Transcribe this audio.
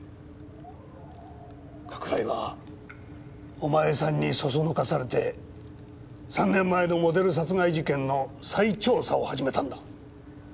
加倉井はお前さんにそそのかされて３年前のモデル殺害事件の再調査を始めたんだ。